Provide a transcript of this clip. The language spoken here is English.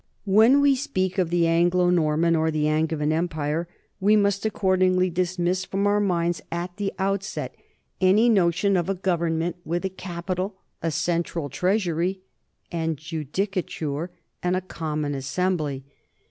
When we speak of the Anglo Norman or the Angevin empire, we must accordingly dismiss from our minds at the outset any notion of a government with a capi tal, a central treasury and judicature, and a common assembly.